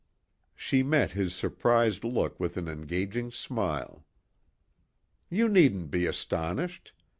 She met his surprised look with an engaging smile. "You needn't be astonished.